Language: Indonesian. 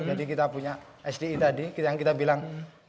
jadi kita punya sdi tadi yang kita bilang